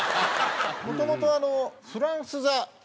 もともとフランス座というね。